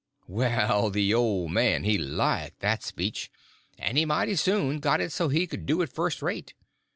Well, the old man he liked that speech, and he mighty soon got it so he could do it first rate.